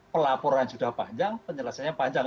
pelaporan sudah panjang penyelesaiannya panjang